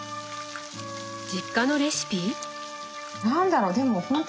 実家のレシピ？